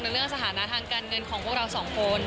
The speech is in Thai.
เรื่องสถานะทางการเงินของพวกเราสองคน